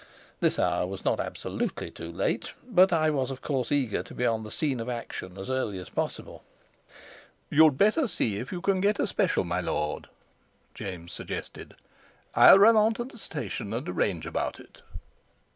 This hour was not absolutely too late, but I was of course eager to be on the scene of action as early as possible. "You'd better see if you can get a special, my lord," James suggested; "I'll run on to the station and arrange about it."